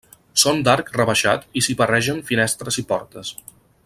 Són d'arc rebaixat i s'hi barregen finestres i portes.